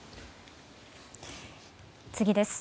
次です。